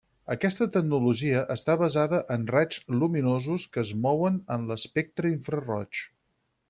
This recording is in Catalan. Aquesta tecnologia està basada en raigs lluminosos que es mouen en l'espectre infraroig.